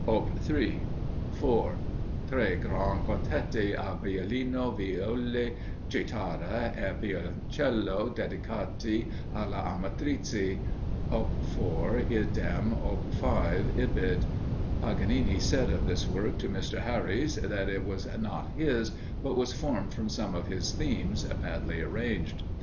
Op. 3. 4. "Tre gran Quartetti a Violino, Viola, Chitarra e Violoncello, dedicati alle amatrici." Op. 4, Idem. Op. 5, Ibid. Paganini said of this work to Mr. Harrys, that it was not his, but was formed from some of his themes badly arranged.